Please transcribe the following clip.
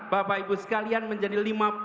bapak ibu sekalian menjadi lima puluh